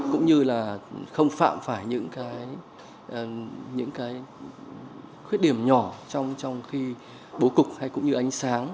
cũng như là không phạm phải những cái khuyết điểm nhỏ trong khi bố cục hay cũng như ánh sáng